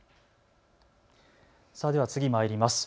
では次まいります。